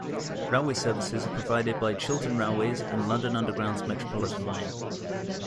Railway services are provided by Chiltern Railways and London Underground's Metropolitan line.